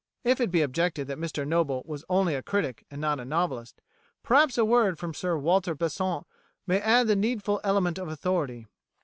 If it be objected that Mr Noble was only a critic and not a novelist, perhaps a word from Sir Walter Besant may add the needful element of authority.